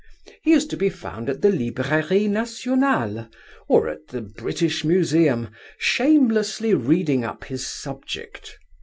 He is to be found at the Librairie Nationale, or at the British Museum, shamelessly reading up his subject.